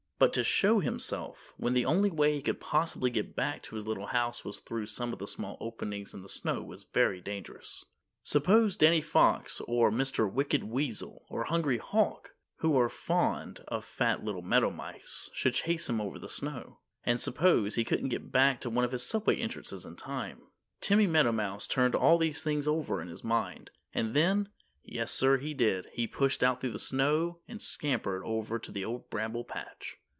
But to show himself when the only way he could possibly get back to his little house was through some of the small openings in the snow was very dangerous. Suppose Danny Fox, or Mr. Wicked Weasel, or Hungry Hawk, who are fond of fat little meadowmice, should chase him over the snow. And suppose he couldn't get back to one of his subway entrances in time. Timmy Meadowmouse turned all these things over in his mind, and then yes, sir, he did he pushed out through the snow and scampered over to the Old Bramble Patch.